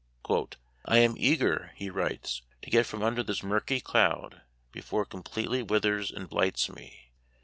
" I am eager," he writes, "to get from under this murky cloud before it completely withers and blights me.